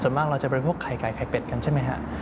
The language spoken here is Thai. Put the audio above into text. ส่วนมากเราจะบริโภคไข่ไก่ไข่เป็ดกันใช่ไหมฮะ